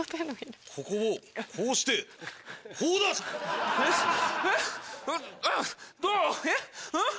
ここをこうしてこうだ！